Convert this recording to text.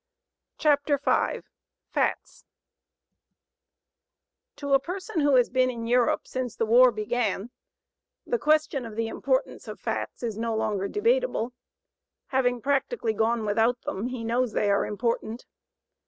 CHAPTER V FATS To a person who has been in Europe since the war began the question of the importance of fats is no longer debatable. Having practically gone without them, he knows they are important.